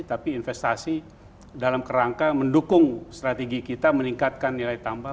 tapi investasi dalam kerangka mendukung strategi kita meningkatkan nilai tambah